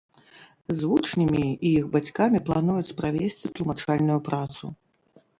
З вучнямі і іх бацькамі плануюць правесці тлумачальную працу.